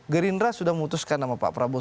gerindra sudah memutuskan nama pak prabowo